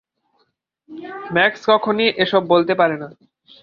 Max কখনই এসব বলতে পারে না।